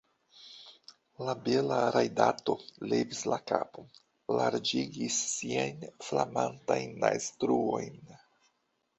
La bela rajdato levis la kapon, larĝigis siajn flamantajn naztruojn.